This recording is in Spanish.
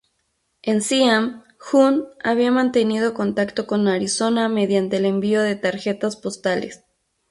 En Siam, Hunt había mantenido contacto con Arizona mediante el envío de tarjetas postales.